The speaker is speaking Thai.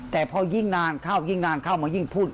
แต่พอยิ่งนานเข้ามายิ่งพูด